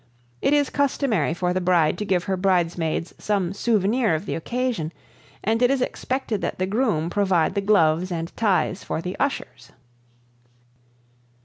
It is customary for the bride to give her bridesmaids some souvenir of the occasion, and it is expected that the groom provide the gloves and ties for the ushers.